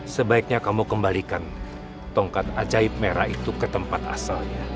sebaiknya kamu kembalikan tongkat ajaib merah itu ke tempat asalnya